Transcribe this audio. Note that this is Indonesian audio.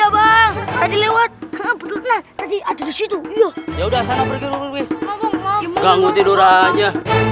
bang tadi lewat tadi ada di situ ya udah sana pergi nganggur tidur aja